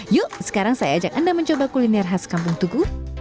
yuk sekarang saya ajak anda mencoba kuliner khas kampung tugu